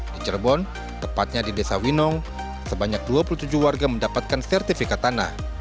di cirebon tepatnya di desa winong sebanyak dua puluh tujuh warga mendapatkan sertifikat tanah